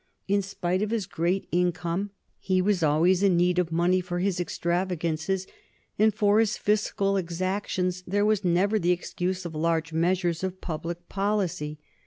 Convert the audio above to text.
In spite of his great income, he was always in need of money for his extravagances; and for his fiscal exactions there was never the excuse of large measures of public policy.